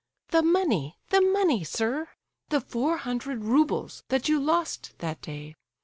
The money, the money, sir! The four hundred roubles that you lost that day.